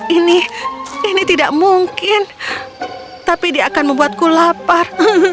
ini ini tidak mungkin tapi dia akan membuatku lapar